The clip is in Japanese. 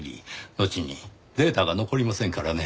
のちにデータが残りませんからね。